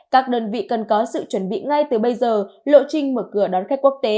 các đơn vị cần có sự chuẩn bị ngay từ bây giờ lộ trình mở cửa đón khách quốc tế